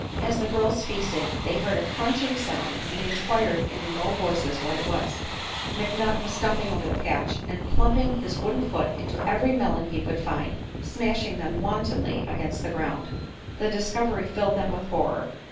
As the girls feasted they heard a crunching sound and inquired in low voices what it was. McNutt was stumping over the patch and plumping his wooden foot into every melon he could find, smashing them wantonly against the ground. The discovery filled them with horror.